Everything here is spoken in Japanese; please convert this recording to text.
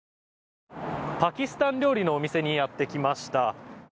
パキスタン料理のお店にやってきました。